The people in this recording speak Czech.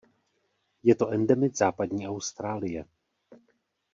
Je to endemit západní Austrálie.